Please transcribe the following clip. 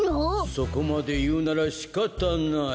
そこまでいうならしかたない。